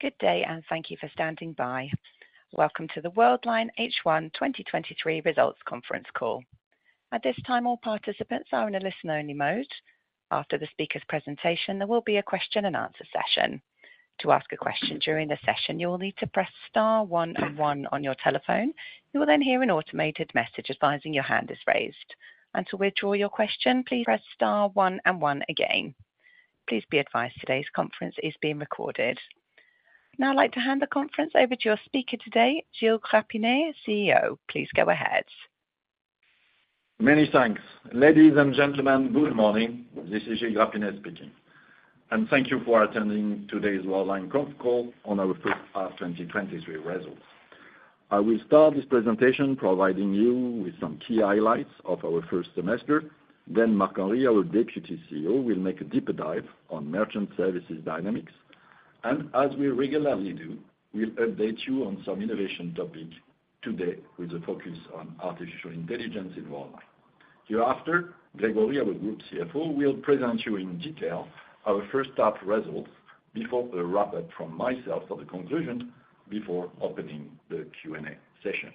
Good day. Thank you for standing by. Welcome to the Worldline H1 2023 Results Conference Call. At this time, all participants are in a listen-only mode. After the speaker's presentation, there will be a question and answer session. To ask a question during the session, you will need to press star 1 and 1 on your telephone. You will then hear an automated message advising your hand is raised. To withdraw your question, please press star 1 and 1 again. Please be advised today's conference is being recorded. Now, I'd like to hand the conference over to our speaker today, Gilles Grapinet, CEO. Please go ahead. Many thanks. Ladies and gentlemen, good morning. This is Gilles Grapinet speaking. Thank you for attending today's Worldline conference call on our first half 2023 results. I will start this presentation providing you with some key highlights of our first semester. Marc Henri, our Deputy CEO, will make a deeper dive on merchant services dynamics. As we regularly do, we'll update you on some innovation topic today, with a focus on artificial intelligence in Worldline. Hereafter, Grégory, our Group CFO, will present you in detail our first half results before a wrap up from myself for the conclusion before opening the Q&A session.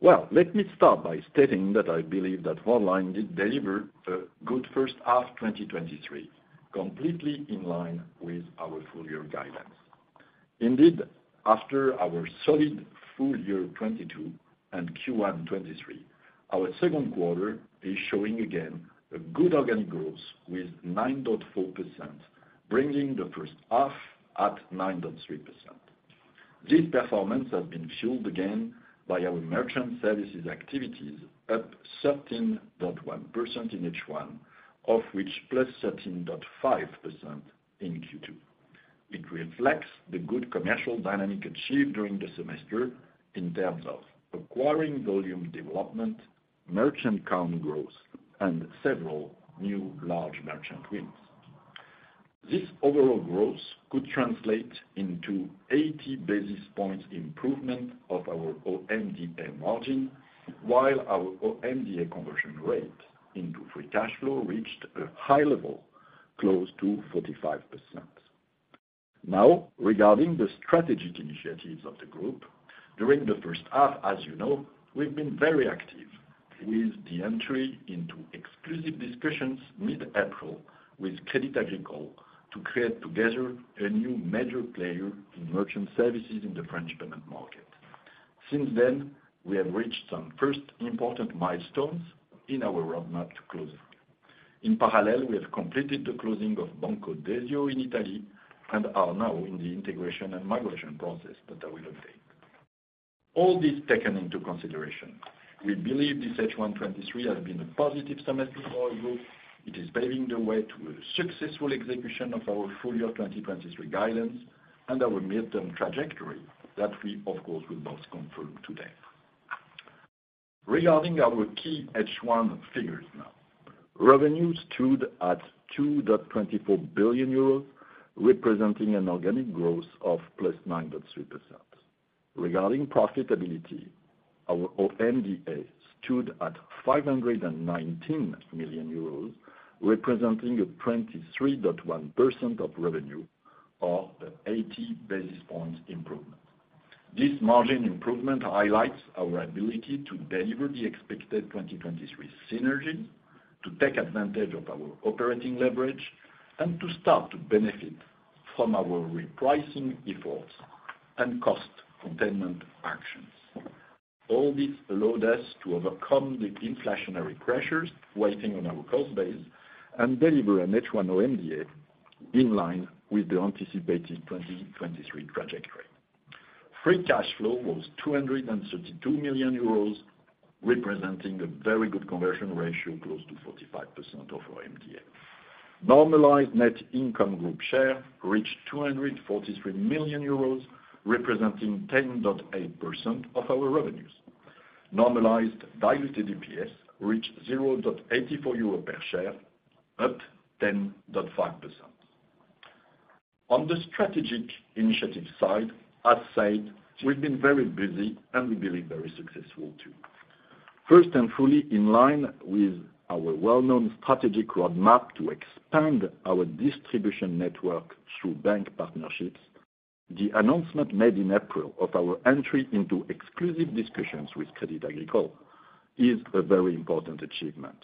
Let me start by stating that I believe that Worldline did deliver a good first half 2023, completely in line with our full year guidance. Indeed, after our solid full year 2022 and Q1 2023, our Q2 is showing again a good organic growth with 9.4%, bringing the H1 at 9.3%. This performance has been fueled again by our merchant services activities, up 13.1% in H1, of which +13.5% in Q2. It reflects the good commercial dynamic achieved during the semester in terms of acquiring volume development, merchant count growth, and several new large merchant wins. This overall growth could translate into 80 basis points improvement of our OMDA margin, while our OMDA conversion rate into free cash flow reached a high level, close to 45%. Now, regarding the strategic initiatives of the group, during the first half, as you know, we've been very active with the entry into exclusive discussions mid-April with Crédit Agricole to create together a new major player in merchant services in the French payment market. Since then, we have reached some first important milestones in our roadmap to closing. In parallel, we have completed the closing of Banco Desio in Italy and are now in the integration and migration process that I will update. All this taken into consideration, we believe this H1 2023 has been a positive semester for our group. It is paving the way to a successful execution of our full year 2023 guidance and our midterm trajectory that we, of course, will both confirm today. Regarding our key H1 figures now, revenue stood at 2.24 billion euros, representing an organic growth of +9.3%. Regarding profitability, our OMDA stood at 519 million euros, representing a 23.1% of revenue, or an 80 basis points improvement. This margin improvement highlights our ability to deliver the expected 2023 synergy, to take advantage of our operating leverage, and to start to benefit from our repricing efforts and cost containment actions. All this allowed us to overcome the inflationary pressures weighing on our cost base and deliver an H1 OMDA in line with the anticipated 2023 trajectory. Free cash flow was 232 million euros, representing a very good conversion ratio, close to 45% of OMDA. Normalized net income group share reached 243 million euros, representing 10.8% of our revenues. Normalized diluted EPS reached 0.84 euro per share, up 10.5%. On the strategic initiative side, as said, we've been very busy, and we believe very successful, too. First, fully in line with our well-known strategic roadmap to expand our distribution network through bank partnerships, the announcement made in April of our entry into exclusive discussions with Crédit Agricole is a very important achievement.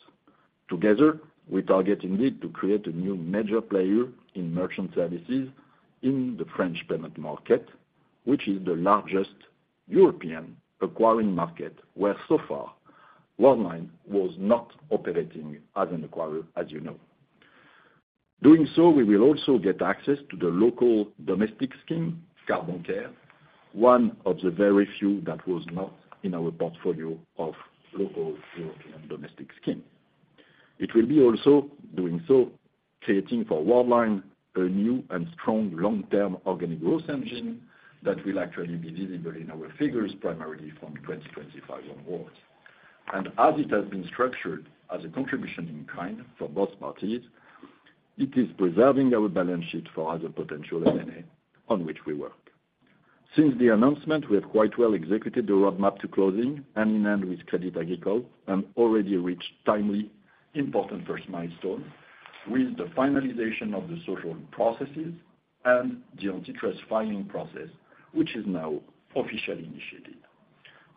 Together, we target indeed to create a new major player in merchant services in the French payment market, which is the largest European acquiring market, where so far, Worldline was not operating as an acquirer, as you know. Doing so, we will also get access to the local domestic scheme, Cartes Bancaires, one of the very few that was not in our portfolio of local European domestic scheme. It will be also, doing so, creating for Worldline a new and strong long-term organic growth engine that will actually be visible in our figures, primarily from 2025 onwards. As it has been structured as a contribution in kind for both parties, it is preserving our balance sheet for other potential M&A on which we work. Since the announcement, we have quite well executed the roadmap to closing, hand in hand with Crédit Agricole, and already reached timely, important first milestone with the finalization of the social processes and the antitrust filing process, which is now officially initiated.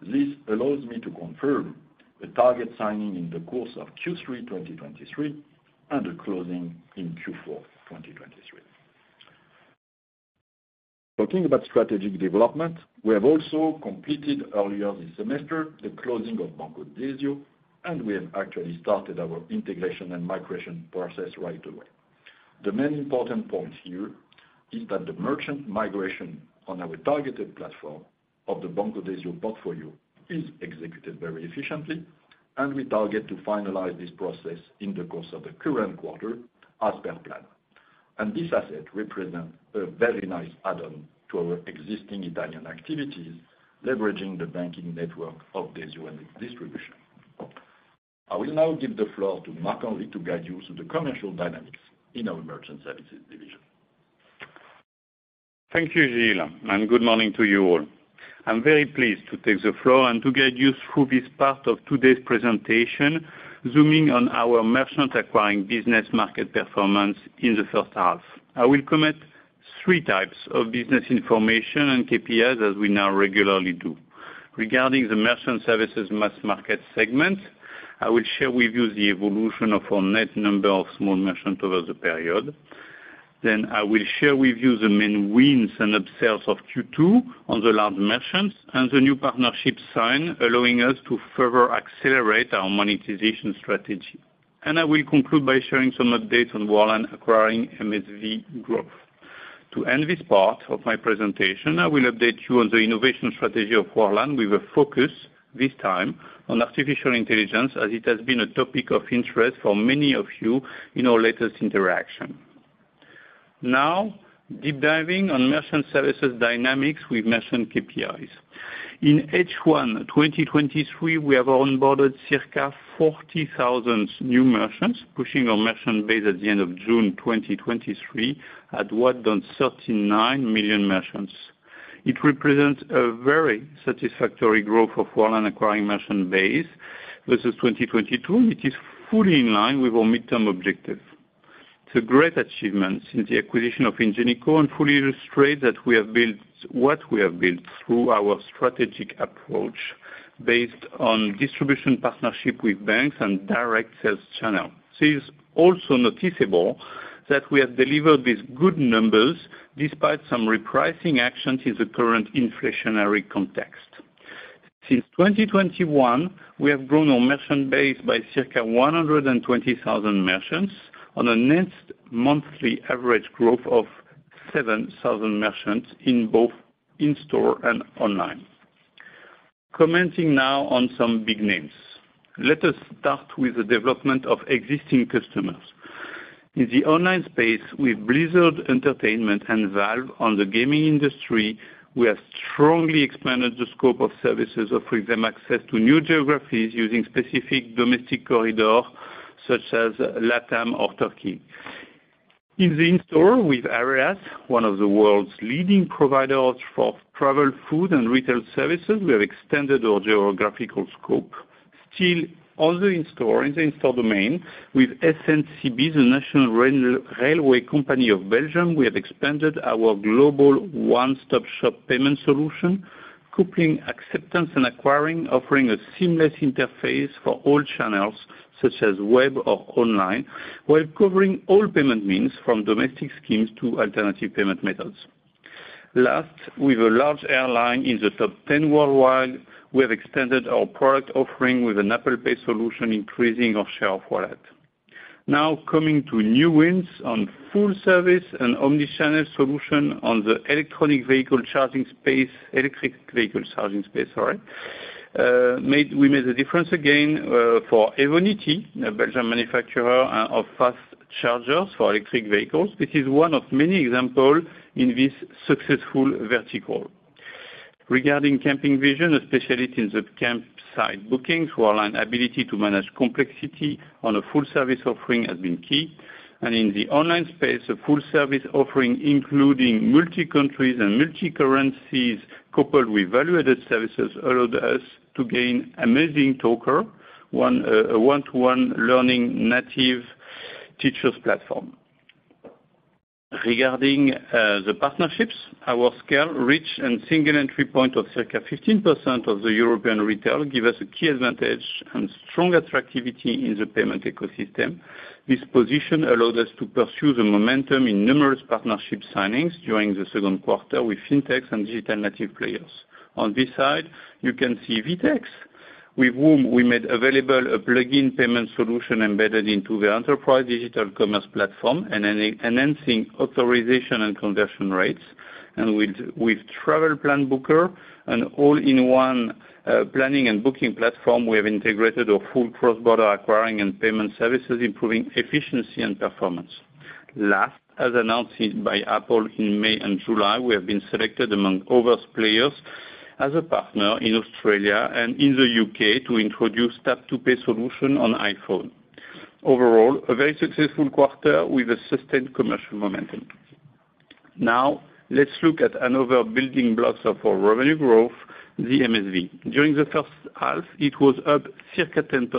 This allows me to confirm a target signing in the course of Q3 2023 and a closing in Q4 2023. Talking about strategic development, we have also completed earlier this semester, the closing of Banco Desio, and we have actually started our integration and migration process right away. The main important point here is that the merchant migration on our targeted platform of the Banco Desio portfolio is executed very efficiently, and we target to finalize this process in the course of the current quarter as per plan. This asset represents a very nice add-on to our existing Italian activities, leveraging the banking network of Desio and its distribution. I will now give the floor to Marc-Henri Desportes, to guide you through the commercial dynamics in our Merchant Services division. Thank you, Gilles. Good morning to you all. I'm very pleased to take the floor and to guide you through this part of today's presentation, zooming on our merchant acquiring business market performance in the 1st half. I will comment three types of business information and KPIs, as we now regularly do. Regarding the merchant services mass market segment, I will share with you the evolution of our net number of small merchants over the period. I will share with you the main wins and upsells of Q2 on the large merchants, and the new partnerships signed, allowing us to further accelerate our monetization strategy. I will conclude by sharing some updates on Worldline acquiring MSV growth. To end this part of my presentation, I will update you on the innovation strategy of Worldline, with a focus this time on artificial intelligence, as it has been a topic of interest for many of you in our latest interaction. Deep diving on merchant services dynamics with merchant KPIs. In H1 2023, we have onboarded circa 40,000 new merchants, pushing our merchant base at the end of June 2023, at well done 39 million merchants. It represents a very satisfactory growth of Worldline acquiring merchant base versus 2022, which is fully in line with our midterm objective. It's a great achievement since the acquisition of Ingenico, fully illustrate that what we have built through our strategic approach, based on distribution partnership with banks and direct sales channel. This is also noticeable that we have delivered these good numbers despite some repricing actions in the current inflationary context. Since 2021, we have grown our merchant base by circa 120,000 merchants on a net monthly average growth of 7,000 merchants in both in-store and online. Commenting now on some big names. Let us start with the development of existing customers. In the online space, with Blizzard Entertainment and Valve on the gaming industry, we have strongly expanded the scope of services, offering them access to new geographies using specific domestic corridor, such as LATAM or Turkey. In the in-store with Areas, one of the world's leading providers for travel, food, and retail services, we have extended our geographical scope. Also in store, in the in-store domain with SNCB, the National Railway Company of Belgium, we have expanded our global one-stop-shop payment solution, coupling acceptance and acquiring, offering a seamless interface for all channels, such as web or online, while covering all payment means, from domestic schemes to alternative payment methods. With a large airline in the top 10 worldwide, we have extended our product offering with an Apple Pay solution, increasing our share of wallet. Coming to new wins on full service and omni-channel solution on the electric vehicle charging space. We made a difference again for Evonity, a Belgian manufacturer of fast chargers for electric vehicles. This is one of many example in this successful vertical. Regarding Camping Vision, especially in the campsite bookings, Worldline ability to manage complexity on a full service offering has been key. In the online space, a full service offering, including multi-countries and multi-currencies, coupled with value-added services, allowed us to gain AmazingTalker, a one-to-one learning native teachers platform. Regarding the partnerships, our scale, reach, and single entry point of circa 15% of the European retail give us a key advantage and strong attractivity in the payment ecosystem. This position allowed us to pursue the momentum in numerous partnership signings during the second quarter with Fintechs and digital native players. On this side, you can see VTEX, with whom we made available a plug-in payment solution embedded into the enterprise Digital Commerce platform and enhancing authorization and conversion rates. With Travelplanbooker, an all-in-one planning and booking platform, we have integrated our full cross-border acquiring and payment services, improving efficiency and performance. Last, as announced by Apple in May and July, we have been selected among over players as a partner in Australia and in the U.K. to introduce Tap to Pay on iPhone. Overall, a very successful quarter with a sustained commercial momentum. Let's look at another building blocks of our revenue growth, the MSV. During the first half, it was up circa 10%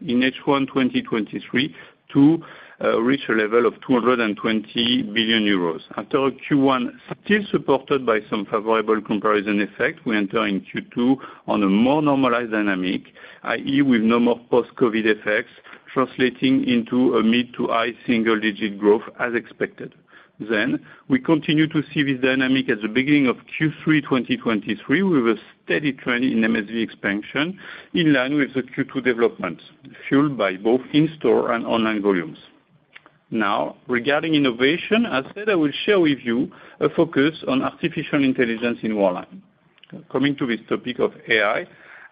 in H1 2023, to reach a level of 220 billion euros. After Q1, still supported by some favorable comparison effect, we enter in Q2 on a more normalized dynamic, i.e., with no more post-COVID effects, translating into a mid to high single-digit growth as expected. We continue to see this dynamic at the beginning of Q3 2023, with a steady trend in MSV expansion, in line with the Q2 developments, fueled by both in-store and online volumes. Regarding innovation, as said, I will share with you a focus on artificial intelligence in Worldline. Coming to this topic of AI,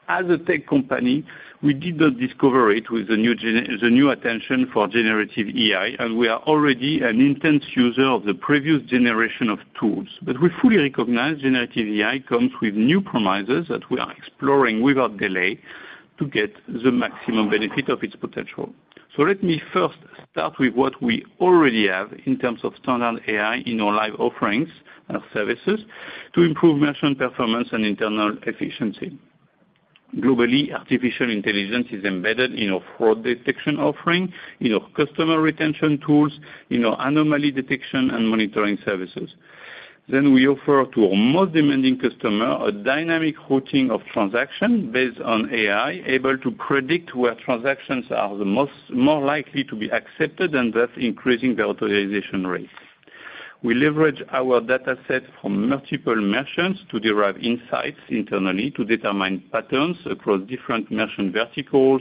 as a tech company, we did not discover it with the new attention for generative AI. We are already an intense user of the previous generation of tools. We fully recognize generative AI comes with new promises that we are exploring without delay to get the maximum benefit of its potential. Let me first start with what we already have in terms of standard AI in our live offerings and services to improve merchant performance and internal efficiency. Globally, artificial intelligence is embedded in our fraud detection offering, in our customer retention tools, in our anomaly detection and monitoring services. We offer to our most demanding customer a dynamic routing of transaction based on AI, able to predict where transactions are the most, more likely to be accepted, and thus increasing the authorization rate. We leverage our data set from multiple merchants to derive insights internally to determine patterns across different merchant verticals,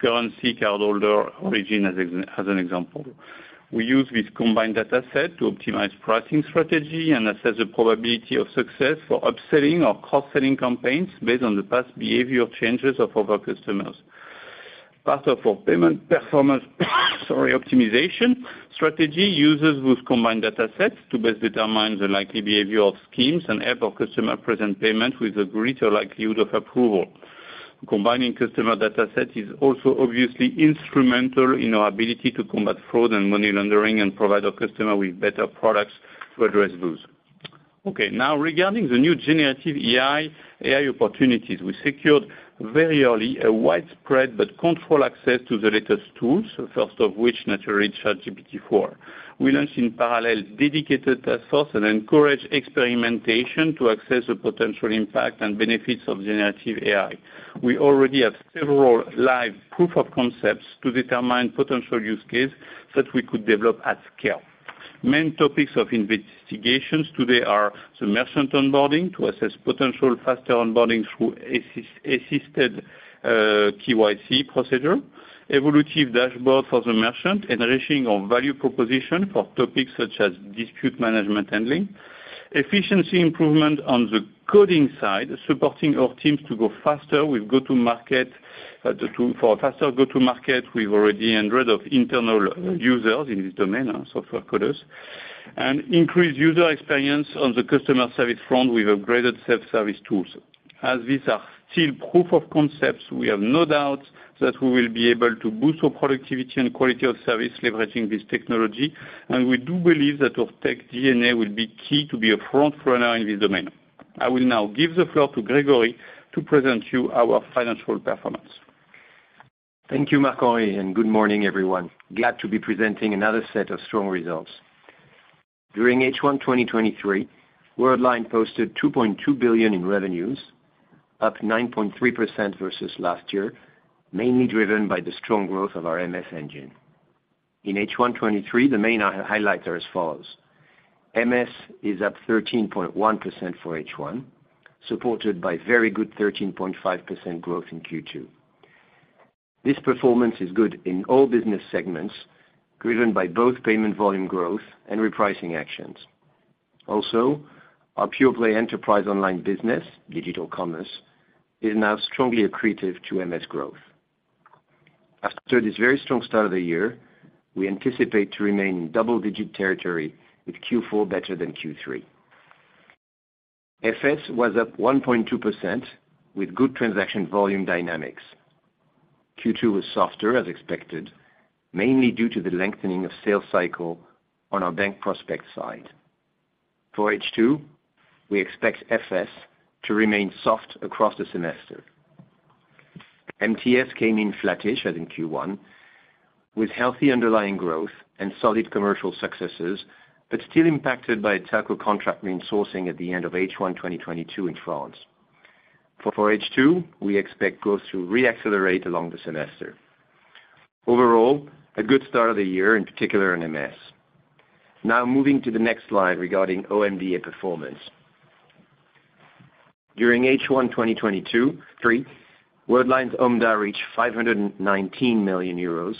currency, cardholder, origin, as an example. We use this combined data set to optimize pricing strategy and assess the probability of success for upselling or cross-selling campaigns based on the past behavior changes of other customers. Part of our payment performance, sorry, optimization strategy uses this combined data set to best determine the likely behavior of schemes and help our customer present payment with a greater likelihood of approval. Combining customer data set is also obviously instrumental in our ability to combat fraud and money laundering, provide our customer with better products to address those. Now, regarding the new generative AI opportunities, we secured very early a widespread but controlled access to the latest tools, the first of which, naturally, ChatGPT-4. We launched in parallel, dedicated task force and encourage experimentation to assess the potential impact and benefits of generative AI. We already have several live proof of concepts to determine potential use case that we could develop at scale. Main topics of investigations today are the merchant onboarding, to assess potential faster onboarding through KYC procedure, evolutive dashboard for the merchant, enriching our value proposition for topics such as dispute management handling, efficiency improvement on the coding side, supporting our teams to go faster with go-to market for faster go-to market. We've already 100 of internal users in this domain, software coders. Increased user experience on the customer service front with upgraded self-service tools. As these are still proof of concepts, we have no doubt that we will be able to boost our productivity and quality of service leveraging this technology, and we do believe that our tech DNA will be key to be a front runner in this domain. I will now give the floor to Grégory to present you our financial performance. Thank you, Marc-Henri, and good morning, everyone. Glad to be presenting another set of strong results. During H1 2023, Worldline posted 2.2 billion in revenues, up 9.3% versus last year, mainly driven by the strong growth of our MS engine. In H1 2023, the main highlights are as follows: MS is up 13.1% for H1, supported by very good 13.5% growth in Q2. This performance is good in all business segments, driven by both payment volume growth and repricing actions. Our pure-play enterprise online business, Digital Commerce, is now strongly accretive to MS growth. After this very strong start of the year, we anticipate to remain in double-digit territory, with Q4 better than Q3. FS was up 1.2%, with good transaction volume dynamics. Q2 was softer, as expected, mainly due to the lengthening of sales cycle on our bank prospect side. For H2, we expect FS to remain soft across the semester. MTS came in flattish as in Q1, with healthy underlying growth and solid commercial successes, but still impacted by a telco contract re-insourcing at the end of H1 2022 in France. For H2, we expect growth to re-accelerate along the semester. Overall, a good start of the year, in particular in MS. Moving to the next slide regarding OMD performance. During H1 2023, Worldline's OMD reached EUR 519 million,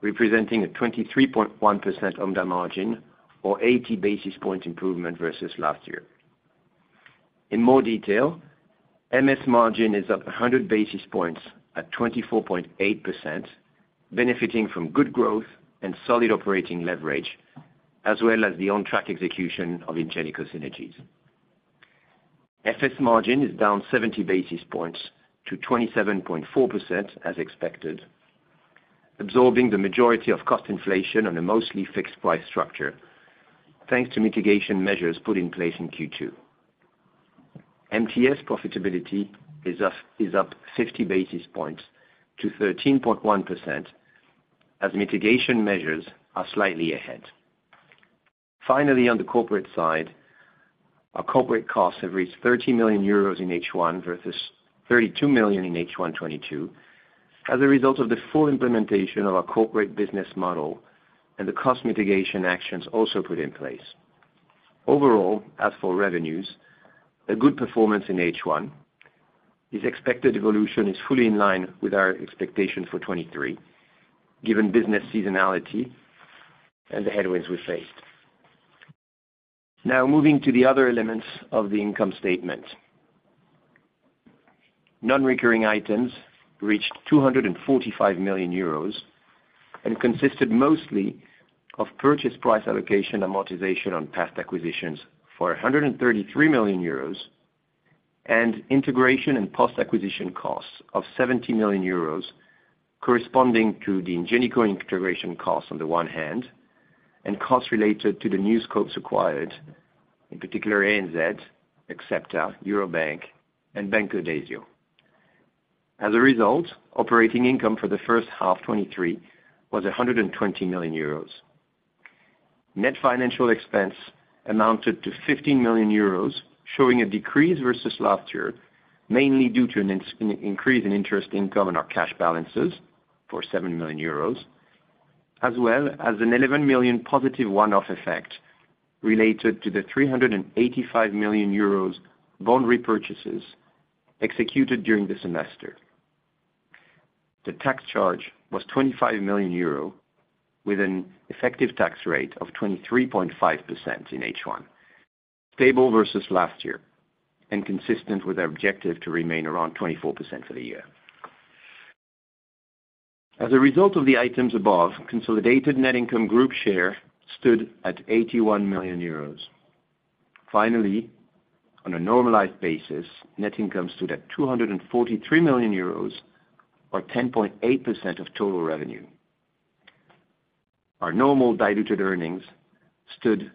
representing a 23.1% OMD margin or 80 basis point improvement versus last year. In more detail, MS margin is up 100 basis points at 24.8%, benefiting from good growth and solid operating leverage, as well as the on-track execution of Ingenico synergies. FS margin is down 70 basis points to 27.4%, as expected, absorbing the majority of cost inflation on a mostly fixed price structure, thanks to mitigation measures put in place in Q2. MTS profitability is up 50 basis points to 13.1%, as mitigation measures are slightly ahead. Finally, on the corporate side, our corporate costs have reached 30 million euros in H1, versus 32 million in H1 2022, as a result of the full implementation of our corporate business model and the cost mitigation actions also put in place. Overall, as for revenues, a good performance in H1. This expected evolution is fully in line with our expectations for 2023, given business seasonality and the headwinds we faced. Moving to the other elements of the income statement. Non-recurring items reached 245 million euros, and consisted mostly of purchase price allocation, amortization on past acquisitions for 133 million euros, and integration and post-acquisition costs of 70 million euros, corresponding to the Ingenico integration costs on the one hand, and costs related to the new scopes acquired, in particular, ANZ, Axepta, Eurobank, and Banco Desio. As a result, operating income for the first half 2023 was 120 million euros. Net financial expense amounted to 15 million euros, showing a decrease versus last year, mainly due to an increase in interest income in our cash balances for 7 million euros, as well as an 11 million positive one-off effect related to the 385 million euros bond repurchases executed during the semester. The tax charge was 25 million euro, with an effective tax rate of 23.5% in H1, stable versus last year, and consistent with our objective to remain around 24% for the year. As a result of the items above, consolidated net income group share stood at 81 million euros. Finally, on a normalized basis, net income stood at 243 million euros, or 10.8% of total revenue. Our normal diluted earnings stood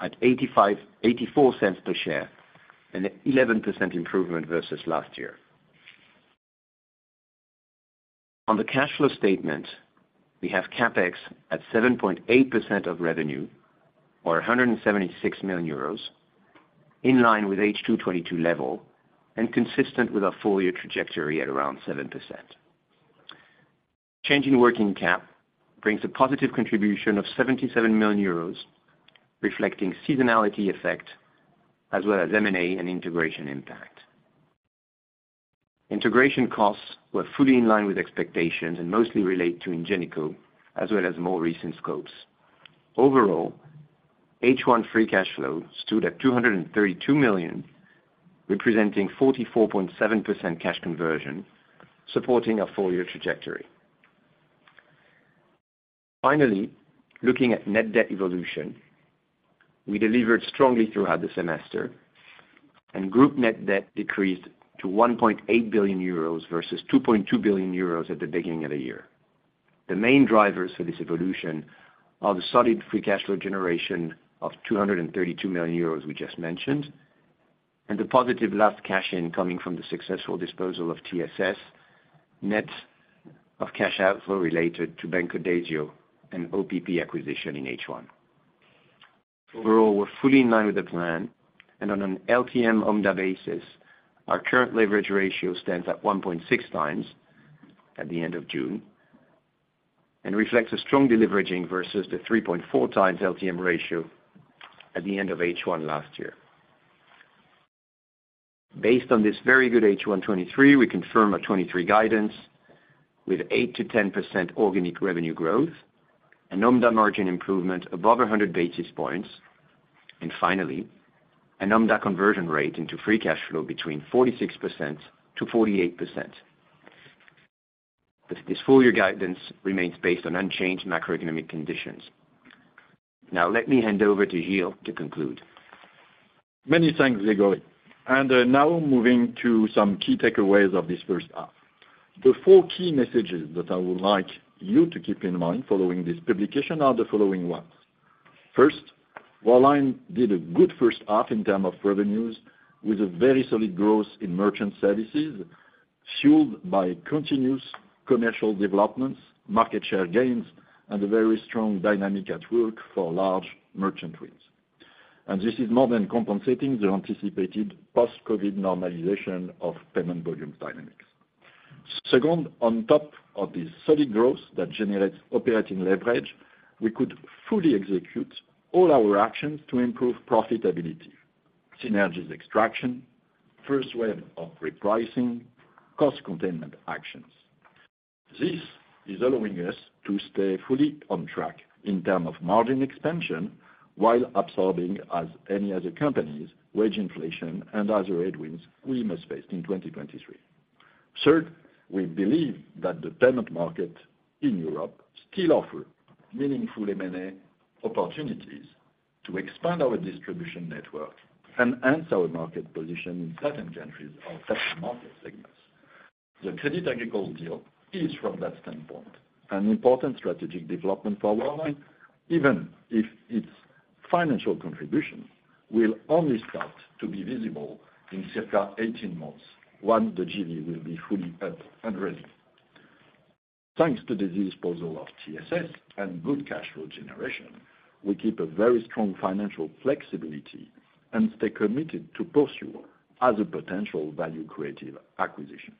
at 0.84 per share, an 11% improvement versus last year. On the cash flow statement, we have CapEx at 7.8% of revenue, or 176 million euros, in line with H2 2022 level and consistent with our full year trajectory at around 7%. Change in working cap brings a positive contribution of 77 million euros, reflecting seasonality effect, as well as M&A and integration impact. Integration costs were fully in line with expectations and mostly relate to Ingenico, as well as more recent scopes. Overall, H1 free cash flow stood at 232 million, representing 44.7% cash conversion, supporting our full-year trajectory. Finally, looking at net debt evolution, we delivered strongly throughout the semester, and group net debt decreased to 1.8 billion euros versus 2.2 billion euros at the beginning of the year. The main drivers for this evolution are the solid free cash flow generation of 232 million euros we just mentioned, and the positive last cash in coming from the successful disposal of TSS, net of cash outflow related to Banco Desio and OPP acquisition in H1. Overall, we're fully in line with the plan and on an LTM OMDA basis, our current leverage ratio stands at 1.6 times at the end of June, and reflects a strong deleveraging versus the 3.4 times LTM ratio at the end of H1 last year. Based on this very good H1 2023, we confirm our 2023 guidance with 8%-10% organic revenue growth, an OMDA margin improvement above 100 basis points, and finally, an OMDA conversion rate into free cash flow between 46%-48%. This full-year guidance remains based on unchanged macroeconomic conditions. Let me hand over to Gilles to conclude. Many thanks, Grégory. Now moving to some key takeaways of this first half. The four key messages that I would like you to keep in mind following this publication are the following ones: First, Worldline did a good first half in term of revenues, with a very solid growth in merchant services, fueled by continuous commercial developments, market share gains, and a very strong dynamic at work for large merchant wins. This is more than compensating the anticipated post-COVID normalization of payment volume dynamics. Second, on top of the solid growth that generates operating leverage, we could fully execute all our actions to improve profitability, synergies extraction, first wave of repricing, cost containment actions. This is allowing us to stay fully on track in term of margin expansion, while absorbing, as any other companies, wage inflation and other headwinds we must face in 2023. Third, we believe that the payment market in Europe still offer meaningful M&A opportunities to expand our distribution network and enhance our market position in certain countries or certain market segments. The Crédit Agricole deal is, from that standpoint, an important strategic development for Worldline, even if its financial contribution will only start to be visible in circa 18 months, once the deal will be fully up and running. Thanks to the disposal of TSS and good cash flow generation, we keep a very strong financial flexibility and stay committed to pursue other potential value creative acquisitions.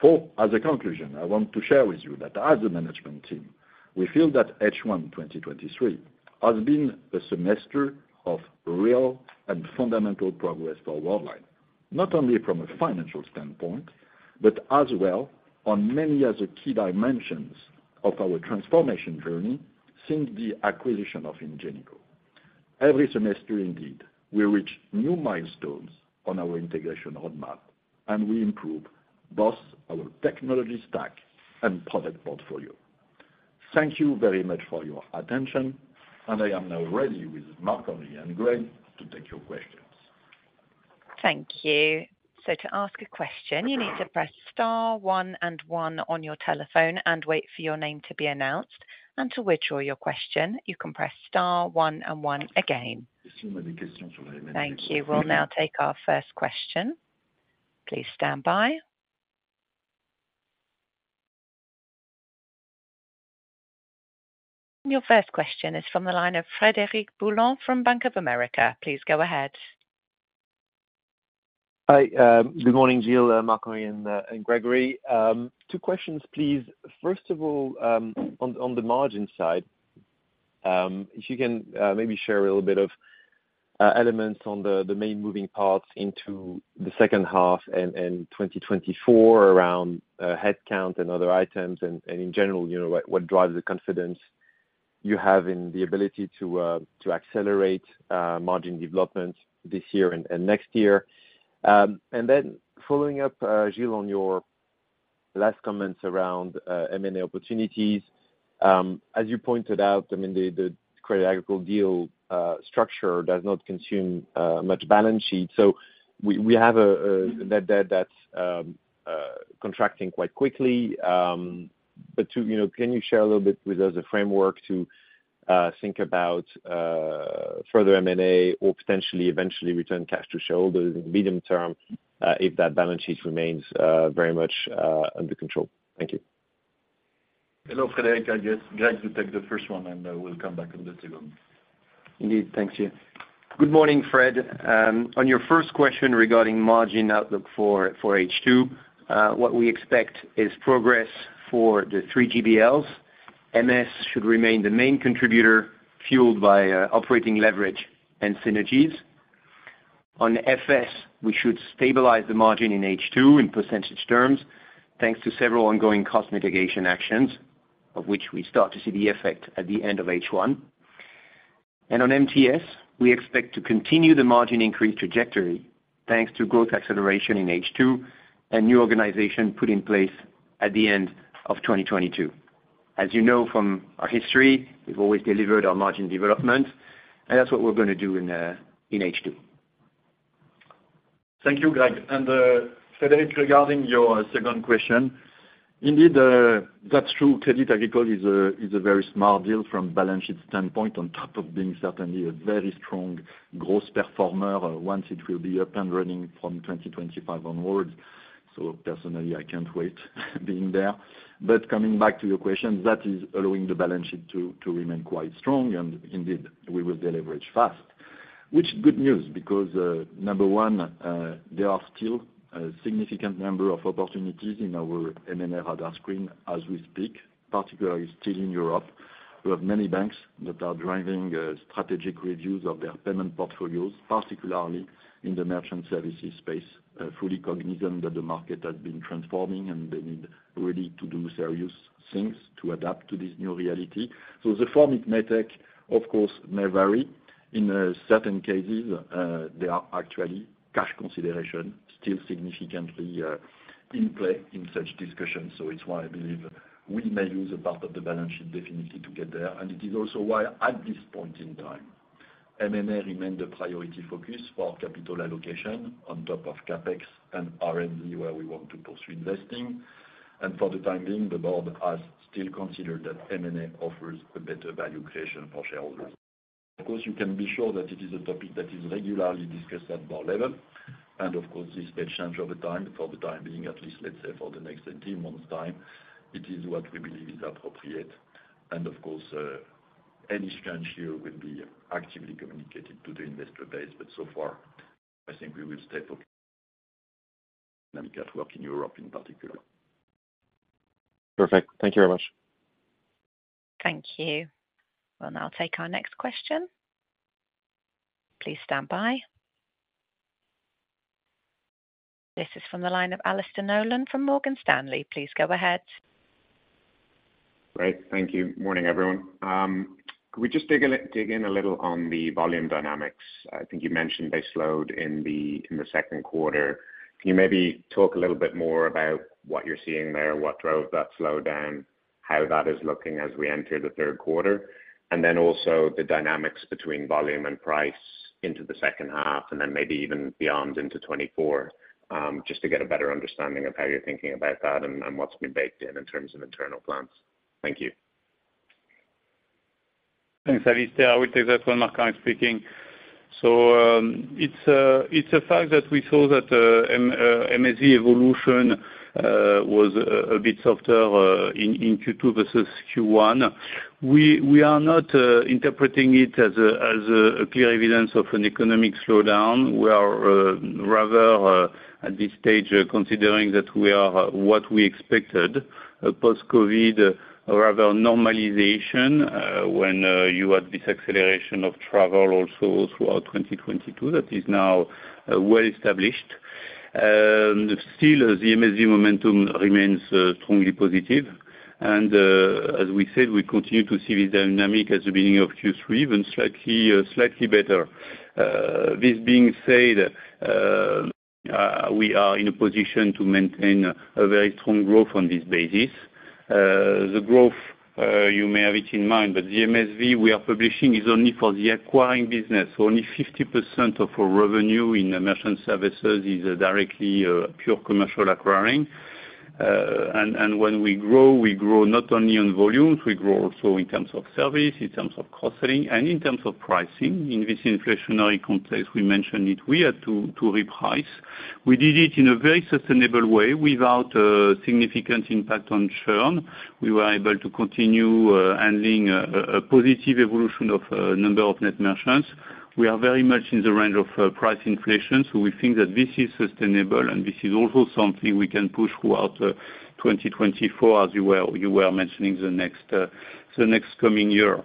Four, as a conclusion, I want to share with you that as a management team, we feel that H1 2023 has been a semester of real and fundamental progress for Worldline, not only from a financial standpoint, but as well on many other key dimensions of our transformation journey since the acquisition of Ingenico. Every semester, indeed, we reach new milestones on our integration roadmap. We improve both our technology stack and product portfolio. Thank you very much for your attention. I am now ready with Marco and Greg to take your questions. Thank you. To ask a question, you need to press star one and one on your telephone and wait for your name to be announced, and to withdraw your question, you can press star one and one again. Many questions. Thank you. We'll now take our first question. Please stand by. Your first question is from the line of Frédéric Boulan from Bank of America. Please go ahead. Hi, good morning, Gilles, Marco, and Grégory. Two questions, please. First of all, on the margin side, if you can maybe share a little bit of elements on the main moving parts into the second half and 2024 around headcount and other items, and in general, you know, what drives the confidence you have in the ability to accelerate margin development this year and next year? Then following up, Gilles, on your last comments around M&A opportunities. As you pointed out, I mean, the Crédit Agricole deal structure does not consume much balance sheet. We have a net debt that's contracting quite quickly. You know, can you share a little bit with us a framework to think about further M&A or potentially eventually return cash to shareholders in the medium term, if that balance sheet remains very much under control? Thank you. Hello, Frederic. I'll get Greg to take the first one, and we'll come back on the second. Indeed. Thank you. Good morning, Fred. On your first question regarding margin outlook for H2, what we expect is progress for the three GBLs. MS should remain the main contributor, fueled by operating leverage and synergies. On FS, we should stabilize the margin in H2 in percentage terms, thanks to several ongoing cost mitigation actions, of which we start to see the effect at the end of H1. On MTS, we expect to continue the margin increase trajectory, thanks to growth acceleration in H2 and new organization put in place at the end of 2022. As you know from our history, we've always delivered our margin development, and that's what we're going to do in H2. Thank you, Greg. Frederic, regarding your second question, indeed, that's true. Crédit Agricole is a very small deal from balance sheet standpoint, on top of being certainly a very strong growth performer, once it will be up and running from 2025 onwards. Personally, I can't wait being there. Coming back to your question, that is allowing the balance sheet to remain quite strong, and indeed, we will deleverage fast. Which is good news, because, number one, there are still a significant number of opportunities in our M&A radar screen as we speak, particularly still in Europe. We have many banks that are driving strategic reviews of their payment portfolios, particularly in the Merchant Services space, fully cognizant that the market has been transforming, and they need really to do serious things to adapt to this new reality. The form it may take, of course, may vary. In certain cases, there are actually cash consideration still significantly in play in such discussions. It's why I believe we may use a part of the balance sheet definitely to get there. It is also why, at this point in time, M&A remain the priority focus for capital allocation on top of CapEx and R&D, where we want to pursue investing. For the time being, the board has still considered that M&A offers a better value creation for shareholders. Of course, you can be sure that it is a topic that is regularly discussed at board level, and of course, this may change over time. For the time being, at least, let's say for the next 18 months' time, it is what we believe is appropriate. Of course, any change here will be actively communicated to the investor base, but so far, I think we will stay focused at work in Europe in particular. Perfect. Thank you very much. Thank you. We'll now take our next question. Please stand by. This is from the line of Alastair Nolan from Morgan Stanley. Please go ahead. Great. Thank you. Morning, everyone. Can we just dig in a little on the volume dynamics? I think you mentioned they slowed in the, in the second quarter. Can you maybe talk a little bit more about what you're seeing there, what drove that slowdown, how that is looking as we enter the third quarter? Also the dynamics between volume and price into the second half, and then maybe even beyond into 2024, just to get a better understanding of how you're thinking about that and what's been baked in terms of internal plans. Thank you. Thanks, Alistair. I will take that one, Marco speaking. It's a fact that we saw that MSV evolution was a bit softer in Q2 versus Q1. We are not interpreting it as a clear evidence of an economic slowdown. We are rather at this stage, considering that we are what we expected post-COVID, rather normalization when you had this acceleration of travel also throughout 2022, that is now well established. Still, the MSV momentum remains strongly positive. As we said, we continue to see this dynamic as the beginning of Q3, even slightly better. This being said, we are in a position to maintain a very strong growth on this basis. The growth, you may have it in mind, the MSV we are publishing is only for the acquiring business. Only 50% of our revenue in merchant services is directly, pure commercial acquiring. And when we grow, we grow not only on volumes, we grow also in terms of service, in terms of cost selling, and in terms of pricing. In this inflationary complex, we mentioned it, we had to reprice. We did it in a very sustainable way without significant impact on churn. We were able to continue handling a positive evolution of number of net merchants. We are very much in the range of price inflation. We think that this is sustainable and this is also something we can push throughout 2024, as you were mentioning the next coming year.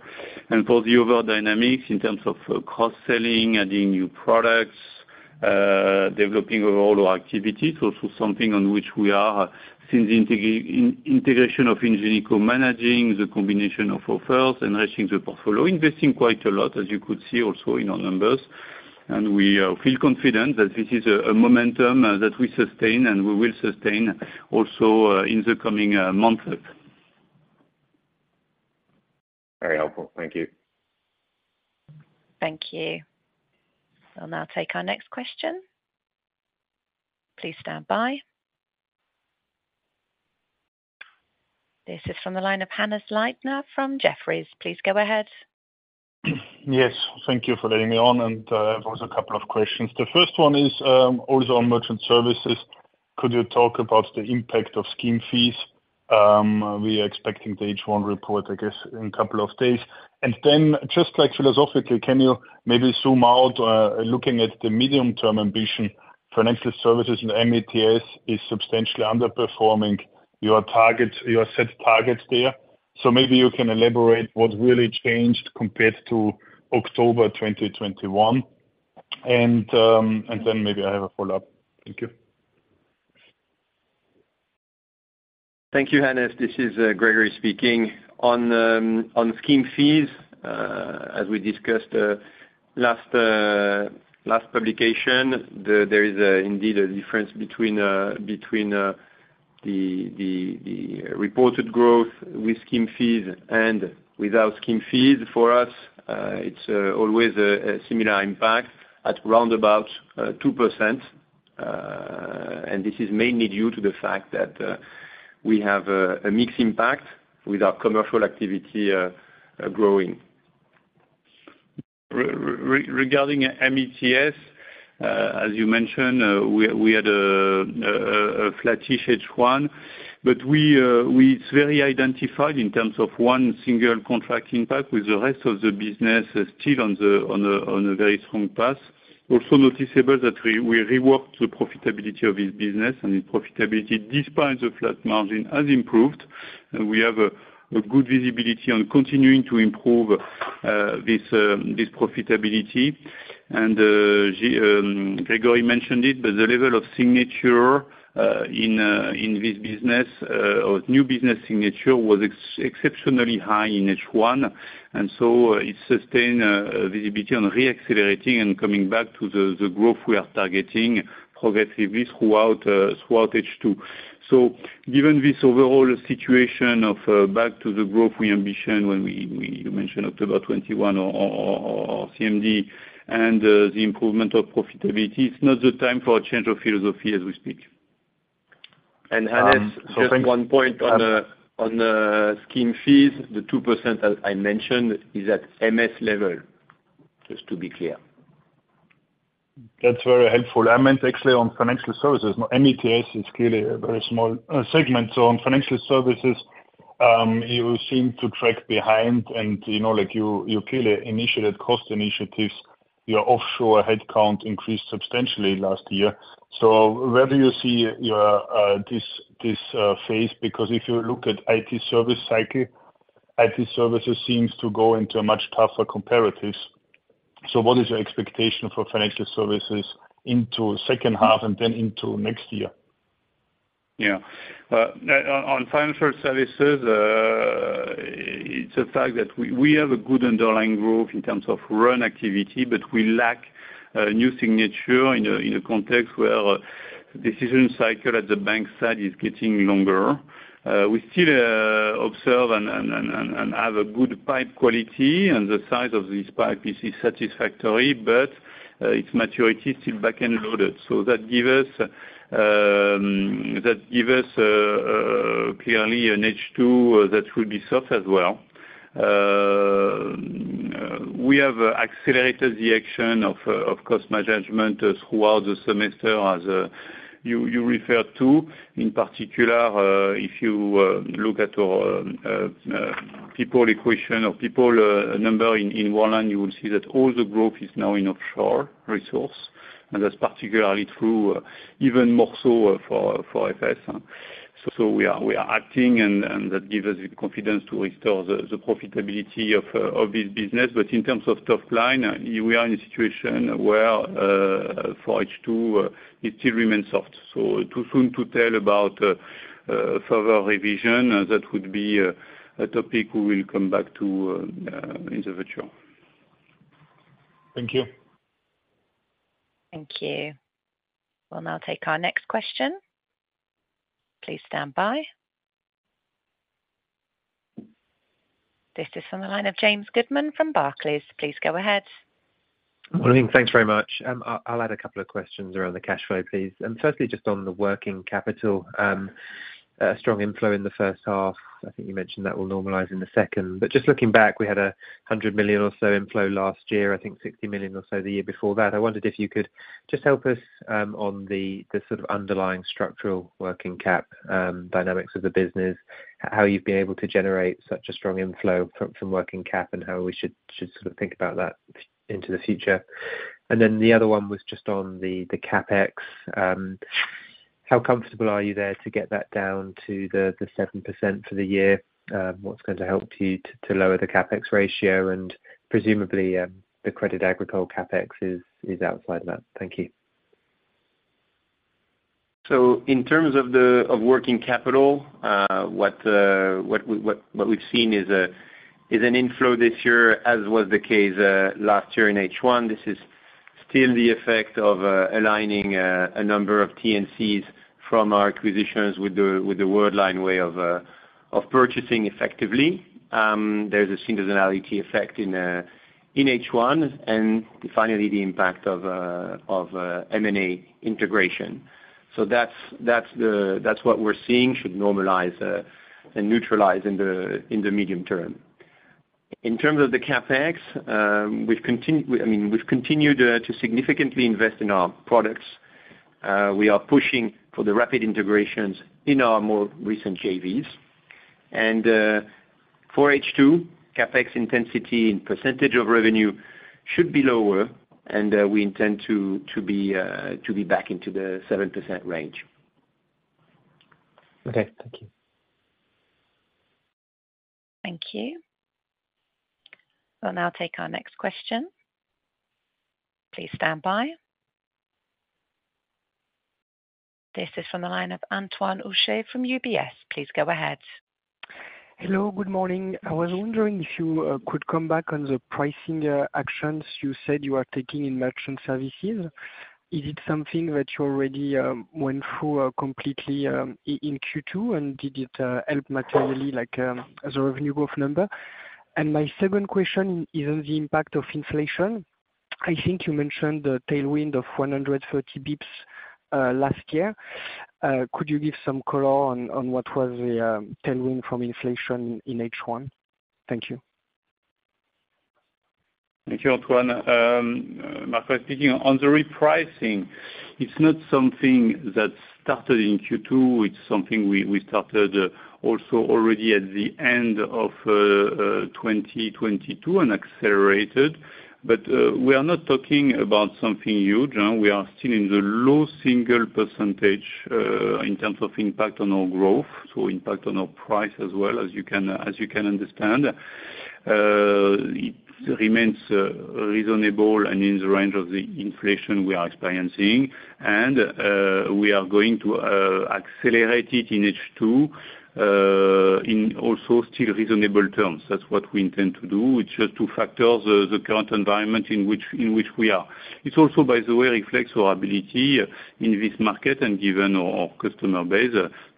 For the overall dynamics in terms of cost selling, adding new products, developing overall activities, also something on which we are, since the integration of Ingenico, managing the combination of offers, enhancing the portfolio, investing quite a lot, as you could see also in our numbers. We feel confident that this is a momentum that we sustain, and we will sustain also in the coming months. Very helpful. Thank you. Thank you. I'll now take our next question. Please stand by. This is from the line of Hannes Leitner from Jefferies. Please go ahead. Yes, thank you for letting me on, there was a couple of questions. The first one is, also on merchant services. Could you talk about the impact of scheme fees? We are expecting the H1 report, I guess, in a couple of days. Then, just like philosophically, can you maybe zoom out, looking at the medium-term ambition, financial services and MTS is substantially underperforming your targets, your set targets there. Maybe you can elaborate what really changed compared to October 2021. Then maybe I have a follow-up. Thank you. Thank you, Hannes. This is Grégory speaking. On scheme fees, as we discussed last publication, there is indeed a difference between the reported growth with scheme fees and without scheme fees. For us, it's always a similar impact at round about 2%, and this is mainly due to the fact that we have a mixed impact with our commercial activity growing. Regarding MTS, as you mentioned, we had a flattish H1, it's very identified in terms of one single contract impact with the rest of the business is still on a very strong path. Also noticeable that we reworked the profitability of this business, and the profitability, despite the flat margin, has improved. We have a good visibility on continuing to improve this profitability. Grégory mentioned it, but the level of signature in this business or new business signature was exceptionally high in H1, and so it sustained visibility on reaccelerating and coming back to the growth we are targeting progressively throughout H2. Given this overall situation of back to the growth we ambition when we mentioned October 21 or CMD and the improvement of profitability, it's not the time for a change of philosophy as we speak. Hannes, just one point on the scheme fees. The 2%, as I mentioned, is at MS level, just to be clear. That's very helpful. I meant actually on financial services. MTS is clearly a very small segment. On financial services, you seem to track behind and, you know, like you clearly initiated cost initiatives, your offshore headcount increased substantially last year. Where do you see your this phase? Because if you look at IT service cycle, IT services seems to go into a much tougher comparatives. What is your expectation for financial services into second half and then into next year? Yeah. On financial services, it's a fact that we have a good underlying growth in terms of run activity, but we lack new signature in a context where decision cycle at the bank side is getting longer. We still observe and have a good pipe quality, and the size of this pipe is satisfactory, but its maturity is still back and loaded. That give us clearly an H2 that will be soft as well. We have accelerated the action of cost management throughout the semester, as you referred to. In particular, if you look at people equation or people number in one line, you will see that all the growth is now in offshore resource, and that's particularly true, even more so for FS. We are acting, and that gives us the confidence to restore the profitability of this business. In terms of top line, we are in a situation where for H2, it still remains soft. Too soon to tell about further revision. That would be a topic we will come back to in the virtual. Thank you. Thank you. We'll now take our next question. Please stand by. This is on the line of James Goodman from Barclays. Please go ahead. Well, thanks very much. I'll add a couple of questions around the cash flow, please. Firstly, just on the working capital, strong inflow in the first half. I think you mentioned that will normalize in the second. Just looking back, we had 100 million or so inflow last year, I think 60 million or so the year before that. I wondered if you could just help us on the sort of underlying structural working cap dynamics of the business, how you've been able to generate such a strong inflow from working cap, and how we should sort of think about that into the future. The other one was just on the CapEx. How comfortable are you there to get that down to the 7% for the year? what's going to help you to lower the CapEx ratio? Presumably, the Crédit Agricole CapEx is outside that. Thank you. In terms of the working capital, what we've seen is an inflow this year, as was the case last year in H1. This is still the effect of aligning a number of T&Cs from our acquisitions with the Worldline way of purchasing effectively. There's a seasonality effect in H1, and finally, the impact of M&A integration. That's what we're seeing, should normalize and neutralize in the medium term. In terms of the CapEx, I mean, we've continued to significantly invest in our products. We are pushing for the rapid integrations in our more recent JVs. For H2, CapEx intensity and percentage of revenue should be lower, and we intend to be back into the 7% range. Okay, thank you. Thank you. We'll now take our next question. Please stand by. This is from the line of Antoine Hucher from UBS. Please go ahead. Hello, good morning. I was wondering if you could come back on the pricing actions you said you are taking in merchant services. Is it something that you already went through completely in Q2 and did it help materially, like as a revenue growth number? My second question is on the impact of inflation. I think you mentioned the tailwind of 130 basis points last year. Could you give some color on what was the tailwind from inflation in H1? Thank you. Thank you, Antoine. Marco speaking. On the repricing, it's not something that started in Q2. It's something we started also already at the end of 2022 and accelerated. We are not talking about something huge, we are still in the low single percentage, in terms of impact on our growth, so impact on our price as well as you can understand. It remains reasonable and in the range of the inflation we are experiencing, and we are going to accelerate it in H2, in also still reasonable terms. That's what we intend to do, which is to factor the current environment in which we are. It's also, by the way, reflects our ability in this market and given our customer base,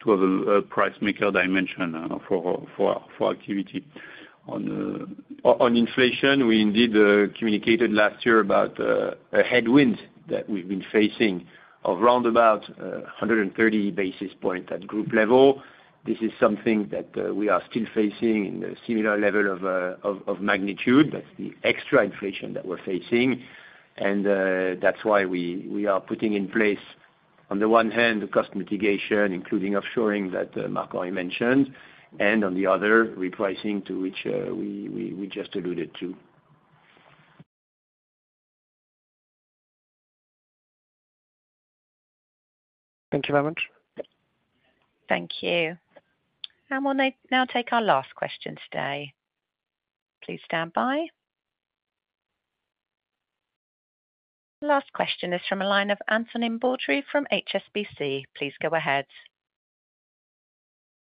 to have a price maker dimension for our activity. On inflation, we indeed communicated last year about a headwind that we've been facing of round about 130 basis points at group level. This is something that we are still facing in a similar level of magnitude. That's the extra inflation that we're facing, and that's why we are putting in place, on the one hand, the cost mitigation, including offshoring that Marco mentioned, and on the other, repricing, to which we just alluded to. Thank you very much. Thank you. We'll now take our last question today. Please stand by. Last question is from a line of Antonin Baudry from HSBC. Please go ahead.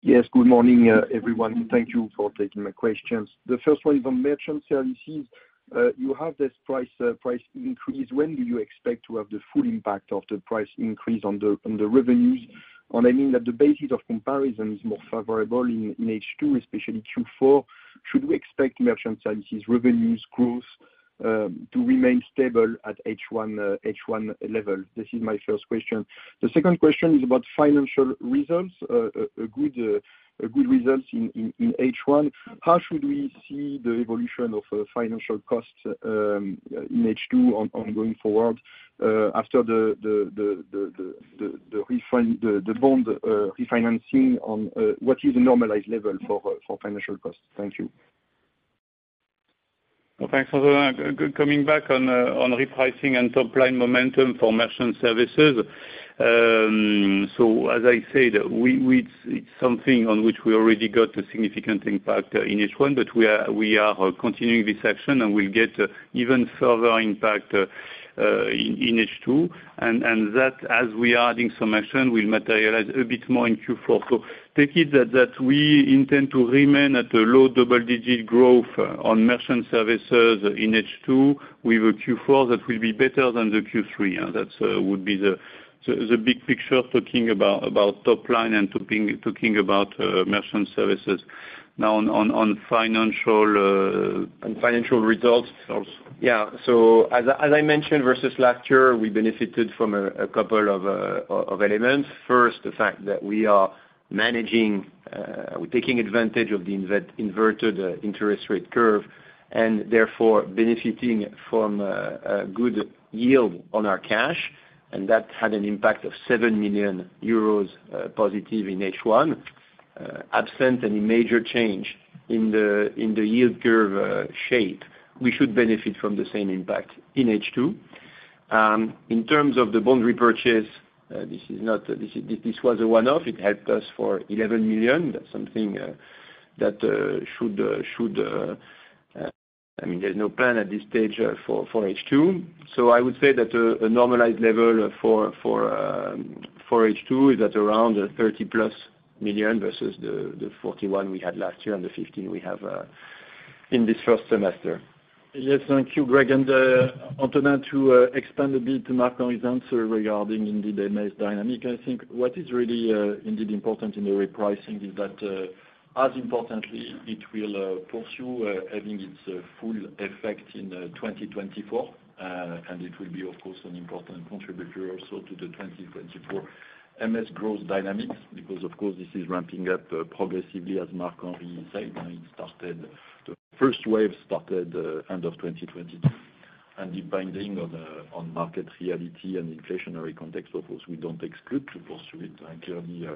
Yes, good morning, everyone. Thank you for taking my questions. The first one is on Merchant Services. You have this price increase. When do you expect to have the full impact of the price increase on the revenues? I mean that the basis of comparison is more favorable in H2, especially Q4. Should we expect Merchant Services revenues growth to remain stable at H1 level? This is my first question. The second question is about financial results. A good results in H1. How should we see the evolution of financial costs in H2 going forward after the bond refinancing on what is the normalized level for financial costs? Thank you. Well, thanks, Anthony. Good, coming back on on repricing and top-line momentum for merchant services. As I said, it's something on which we already got a significant impact in H1, but we are continuing this action, and we'll get even further impact in H2. That, as we are adding some action, will materialize a bit more in Q4. Take it that we intend to remain at a low double-digit growth on merchant services in H2, with a Q4 that will be better than the Q3. That would be the big picture, talking about top line and talking about merchant services. Now, on financial results. Results. Yeah. As I mentioned versus last year, we benefited from a couple of elements. First, the fact that we are managing, we're taking advantage of the inverted interest rate curve, therefore benefiting from a good yield on our cash, that had an impact of 7 million euros positive in H1. Absent any major change in the yield curve shape, we should benefit from the same impact in H2. In terms of the bond repurchase, this was a one-off. It helped us for 11 million. That's something, that should, I mean, there's no plan at this stage for H2. I would say that a normalized level for H2 is at around 30+ million, versus the 41 we had last year and the 15 we have in this first semester. Yes, thank you, Grégory. Antonin, to expand a bit to Marc's answer regarding indeed MS dynamic, I think what is really important in the repricing is that as importantly, it will pursue having its full effect in 2024. It will be, of course, an important contributor also to the 2024 MS growth dynamics, because, of course, this is ramping up progressively, as Marc-Henri said, when it started. The first wave started end of 2020. Depending on market reality and inflationary context, of course, we don't exclude to pursue it. Clearly,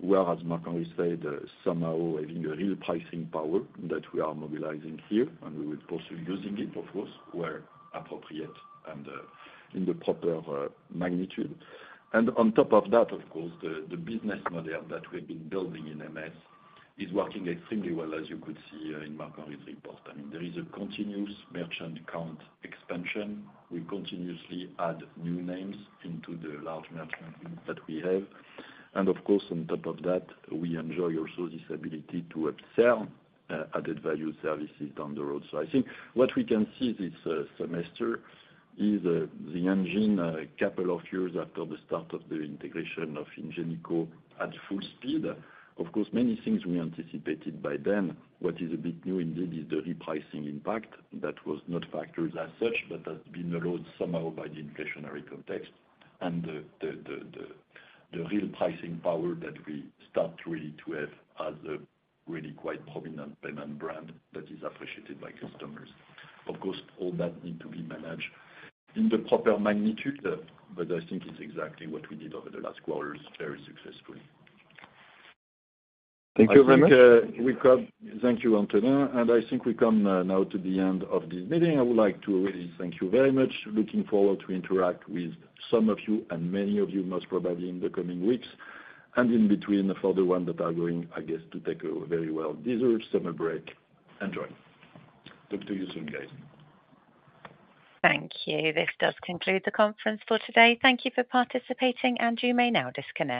we are, as Marc-Henri said, somehow having a real pricing power that we are mobilizing here, and we will pursue using it, of course, where appropriate and in the proper magnitude. On top of that, of course, the business model that we've been building in MS is working extremely well, as you could see in Marc-Henri's report. I mean, there is a continuous merchant count expansion. We continuously add new names into the large merchant group that we have. Of course, on top of that, we enjoy also this ability to upsell added value services down the road. I think what we can see this semester is the engine, a couple of years after the start of the integration of Ingenico at full speed. Of course, many things we anticipated by then. What is a bit new indeed, is the repricing impact. That was not factored as such, that's been allowed somehow by the inflationary context and the real pricing power that we start to have as a quite prominent payment brand that is appreciated by customers. Of course, all that need to be managed in the proper magnitude, I think it's exactly what we did over the last quarters very successfully. Thank you very much. Thank you, Antonin. I think we come now to the end of this meeting. I would like to really thank you very much. Looking forward to interact with some of you, and many of you, most probably, in the coming weeks, and in between, for the one that are going, I guess, to take a very well-deserved summer break, enjoy. Talk to you soon, guys. Thank you. This does conclude the conference for today. Thank you for participating. You may now disconnect.